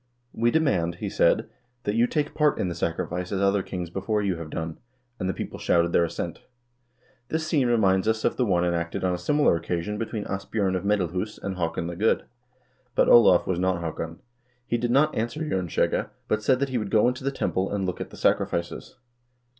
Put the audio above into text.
"We demand," he said, "that you take part in the sacrifice as other kings before you have done," and the people shouted their assent.1 This scene reminds us of the one enacted on a similar occasion between Asbj0rn of Medalhus and Haakon the Good. But Olav was not Haakon. He did not answer Jern skjegge, but said that he would go into the temple and look at the sacrifices.